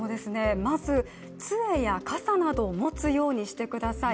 まず、つえや傘などを持つようにしてください。